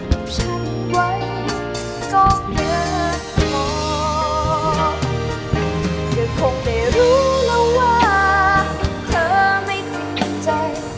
เธอคงไม่รู้แล้วว่าเธอไม่สิ้นใจ